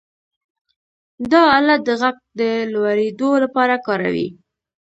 دا آله د غږ د لوړېدو لپاره کاروي.